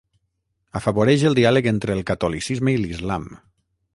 Afavoreix el diàleg entre el catolicisme i l'islam.